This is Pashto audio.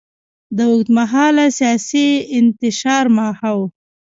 د اوږدمهاله سیاسي انتشار ماحول.